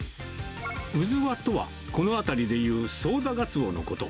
ウズワとはこの辺りで言うソウダガツオのこと。